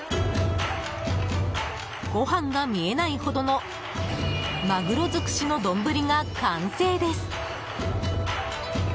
ご飯が見えないほどのマグロ尽くしの丼が完成です！